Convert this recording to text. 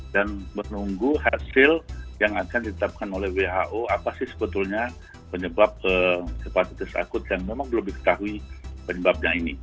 dan menunggu hasil yang akan ditetapkan oleh who apa sih sebetulnya penyebab hepatitis akut yang memang belum diketahui penyebabnya ini